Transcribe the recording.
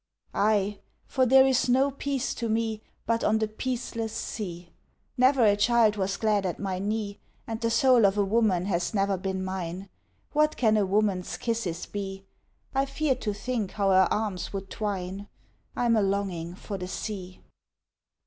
Aye! for there is no peace to me But on the peaceless sea! Never a child was glad at my knee, And the soul of a woman has never been mine. What can a woman's kisses be? I fear to think how her arms would twine. (I'm a longing for the sea!)